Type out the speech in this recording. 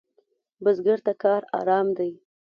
بزګر ته کار آرام دی